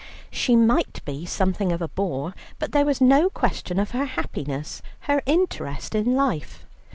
She might be something of a bore, but there was no question of her happiness, her interest in life.